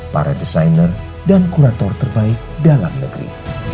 para desainer dan kurator terbaik dalam negeri